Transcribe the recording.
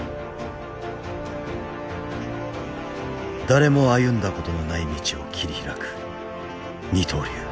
誰も歩んだことのない道を切り開く二刀流